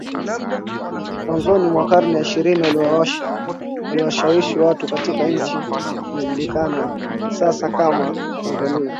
Mwanzoni mwa karne ya ishirini aliwashawishi watu katika nchi inayojulikana sasa kama Tanzania